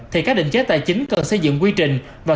thì các định chế tài chính cần xây dựng quy trình và kiểm soát